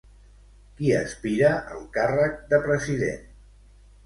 Qui aspira al càrrec de president?